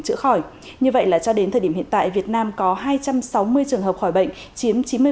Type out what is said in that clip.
chữa khỏi như vậy là cho đến thời điểm hiện tại việt nam có hai trăm sáu mươi trường hợp khỏi bệnh chiếm chín mươi